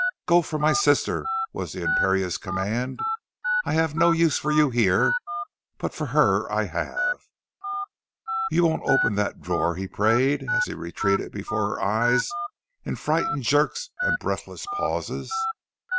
"Go for my sister," was the imperious command. "I have no use for you here, but for her I have." "You won't open that drawer," he prayed, as he retreated before her eyes in frightened jerks and breathless pauses.